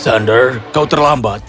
sander kau terlambat